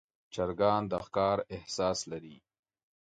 چرګان د ښکار احساس لري.